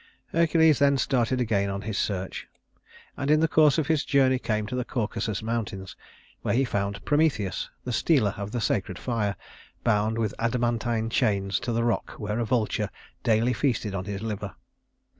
Hercules then started again on his search, and in the course of his journey came to the Caucasus Mountains, where he found Prometheus, the stealer of the sacred fire, bound with adamantine chains to the rock, while a vulture daily feasted on his liver.